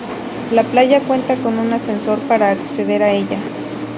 La playa cuenta con un ascensor para acceder a ella.